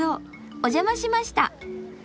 お邪魔しました。